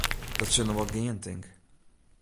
Dit sil noch wol gean, tink.